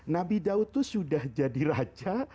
nabi daud itu sudah jadi raja